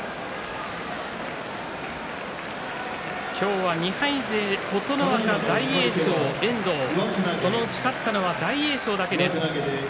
今日は２敗勢、琴ノ若、大栄翔遠藤、そのうち勝ったのは大栄翔だけです。